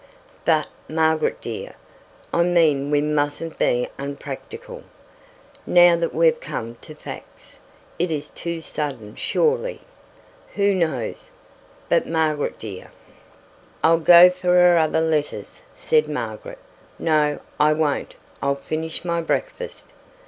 "But, Margaret dear, I mean we mustn't be unpractical now that we've come to facts. It is too sudden, surely." "Who knows!" "But Margaret dear " "I'll go for her other letters," said Margaret. "No, I won't, I'll finish my breakfast.